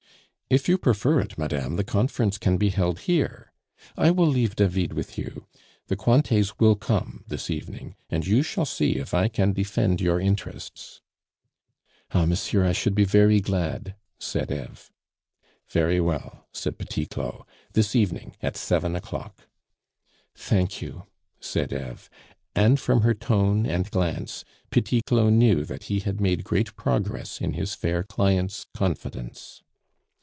"If you prefer it, madame, the conference can be held here. I will leave David with you. The Cointets will come this evening, and you shall see if I can defend your interests." "Ah! monsieur, I should be very glad," said Eve. "Very well," said Petit Claud; "this evening, at seven o'clock." "Thank you," said Eve; and from her tone and glance Petit Claud knew that he had made great progress in his fair client's confidence.